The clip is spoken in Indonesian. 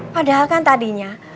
padahal kan tadinya